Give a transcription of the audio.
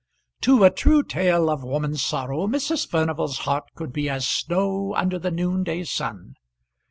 To a true tale of woman's sorrow Mrs. Furnival's heart could be as snow under the noonday sun.